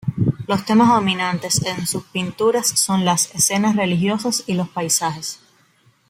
Los temas dominantes en sus pinturas son las escenas religiosas y los paisajes.